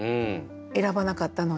選ばなかったのに。